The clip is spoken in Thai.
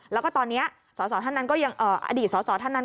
แล้วก็ตอนนี้อดีตสอสอภักดิ์ท่านนั้น